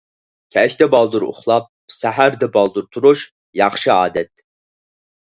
كەچتە بالدۇر ئۇخلاپ، سەھەردە بالدۇر تۇرۇش — ياخشى ئادەت.